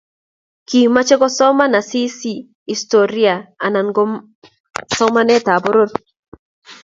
Kimoche kosoman Asisi historia anan ko somanetab poror